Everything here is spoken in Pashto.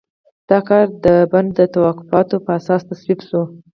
دا کار د بن د توافقاتو په اساس تصویب شو.